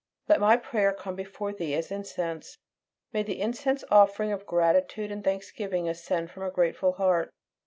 Let my prayer come before Thee as incense. May the incense offering of gratitude and thanksgiving ascend from a grateful heart.